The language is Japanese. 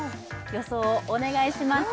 予想をお願いします